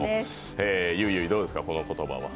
ゆいゆいどうですか、この言葉は？